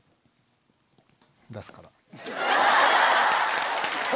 出すから。